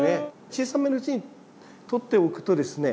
小さめのうちにとっておくとですね